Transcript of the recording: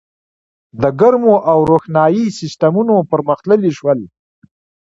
• د ګرمولو او روښنایۍ سیستمونه پرمختللي شول.